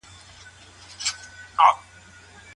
ماشومان له کلونو راهیسې په خپله ژبه زده کړه کوي.